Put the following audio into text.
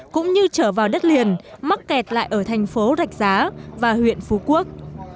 cũng như trở vào đất liền mắc kẹt lại ở thành phố rạch giá và huyện phú quốc